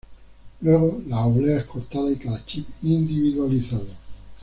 Luego la oblea es cortada y cada chip individualizado.